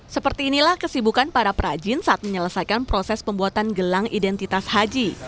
seperti inilah kesibukan para perajin saat menyelesaikan proses pembuatan gelang identitas haji